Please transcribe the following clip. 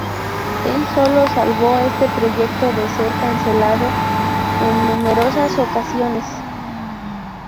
Él solo salvó este proyecto de ser cancelado en numerosas ocasiones.